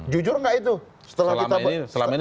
jujur enggak itu selama ini